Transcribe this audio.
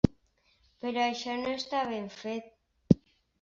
Però això no està ben fet.